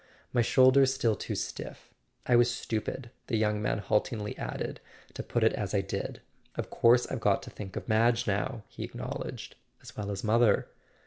My shoulder's still too stiff. I was stupid," the young man haltingly added, "to put it as I did. Of course I've got to think of Madge now," he acknowl¬ edged, "as well as mother."